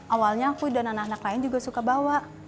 awalnya aku dan anak anak lain juga suka bawa